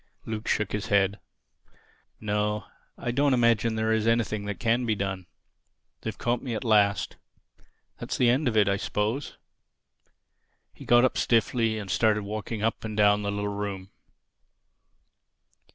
Luke shook his head. "No, I don't imagine there is anything can be done. They've caught me at last. That's the end of it, I suppose." He got up stiffly and started walking up and down the little room.